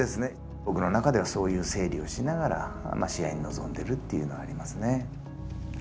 僕の中ではそういう整理をしながら試合に臨んでるというのはありますね。